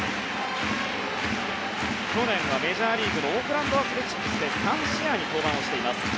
去年はメジャーリーグのオークランド・アスレチックスで３試合に登板をしています。